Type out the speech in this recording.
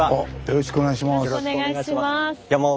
よろしくお願いします。